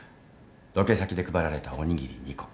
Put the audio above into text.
ロケ先で配られたおにぎり２個。